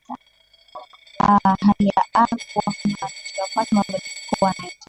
aa hali ya aa kuwafanya wananchi wapate mabadiliko wanayotaka